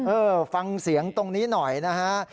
เออฟังเสียงตรงนี้หน่อยนะฮะ